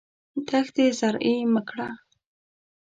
دښتې زرعي مه کړه.